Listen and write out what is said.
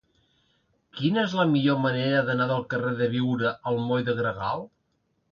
Quina és la millor manera d'anar del carrer de Biure al moll de Gregal?